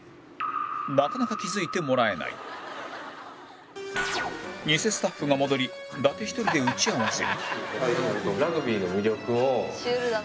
なかなか気付いてもらえないニセスタッフが戻り伊達１人で打ち合わせ